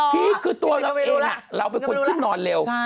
พี่คือตัวเราเองเราเป็นคนขึ้นนอนเร็ว